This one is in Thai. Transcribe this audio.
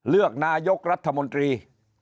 เลือกนายกรัฐมนตรี